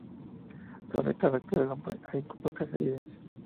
Sobre el carácter del hombre, hay pocas evidencias.